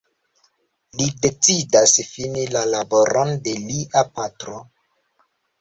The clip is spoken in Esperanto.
Li decidas fini la laboron de lia patro.